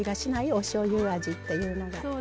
おしょうゆ味っていうのが。